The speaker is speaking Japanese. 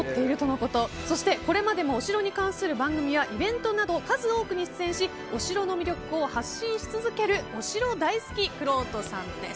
そして、これまでもお城に関する番組やイベントなど数多くに出演しお城の魅力を発信し続けるお城大好きくろうとさんです。